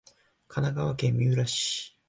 神奈川県三浦市